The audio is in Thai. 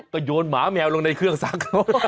ก็โยนหมาแมวลงในเครื่องซักเขา